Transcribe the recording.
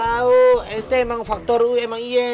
ga tau itu emang faktor u emang iya